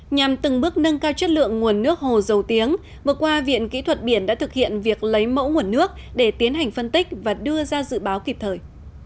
nhằm từng bước nâng cao chất lượng nguồn nước hồ dầu tiếng vừa qua viện kỹ thuật biển đã thực hiện việc lấy mẫu nguồn nước để tiến hành phân tích và đưa ra dự báo kịp thời